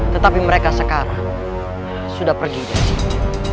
tetapi mereka sekarang sudah pergi ke sini